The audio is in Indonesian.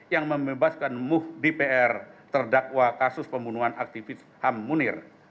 yang membebaskan muhdi pr terdakwa kasus pembunuhan aktivis ham munir